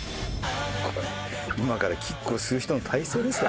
今からキックをする人の体勢ですか？